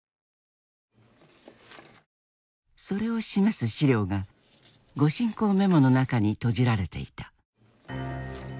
それを示す資料が御進講メモの中にとじられていた。